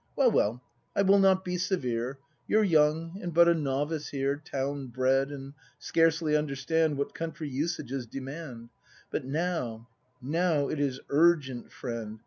Well, well, I will not be severe; You're young, and but a novice here. Town bred, and scarcely understand What country usages demand. But now, now it is urgent, friend.